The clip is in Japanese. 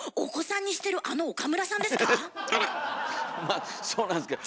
まあそうなんですけど。